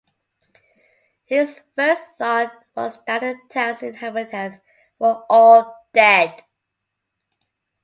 His first thought was that the town's inhabitants were all dead.